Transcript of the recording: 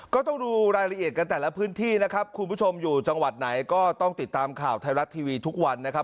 ก็ต้องดูรายละเอียดกันแต่ละพื้นที่นะครับคุณผู้ชมอยู่จังหวัดไหนก็ต้องติดตามข่าวไทยรัฐทีวีทุกวันนะครับ